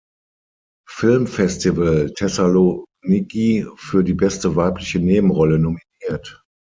Filmfestival Thessaloniki für die beste weibliche Nebenrolle nominiert.